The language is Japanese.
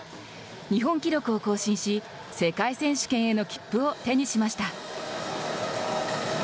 日本記録を更新し世界選手権への切符を手にしました。